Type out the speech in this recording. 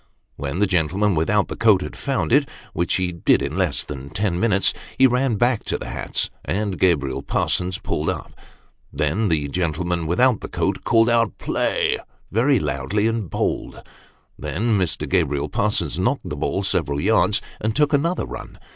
When the gentleman without the coat had found it which be did in less than ten minutes he ran back to the hats, and Gabriel Parsons pulled up. Then, the gentleman without the coat called out " play," very loudly, and bowled. Then Mr. Gabriel Parsons knocked the ball several yards, and took another run.